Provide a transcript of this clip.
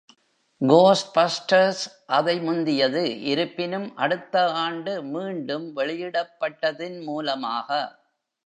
"கோஸ்ட்பஸ்டர்ஸ்" அதை முந்தியது, இருப்பினும், அடுத்த ஆண்டு மீண்டும் வெளியிடப்பட்டதின் மூலமாக.